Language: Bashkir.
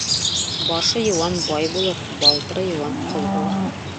Башы йыуан бай булыр, балтыры йыуан ҡол булыр.